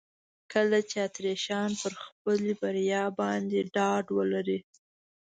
کله چې اتریشیان پر خپلې بریا باندې ډاډ ولري.